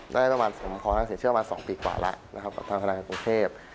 ได้ประมาณ๒ปีกกว่าแล้วกับทางคณะการกรุงเทพฯ